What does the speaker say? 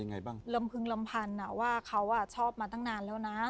ยังไงบ้างรมพึงลมพรรณว่าเขาชอบมาตั้งนานแล้วเนอะ